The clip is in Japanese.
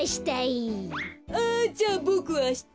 あじゃあボクあした。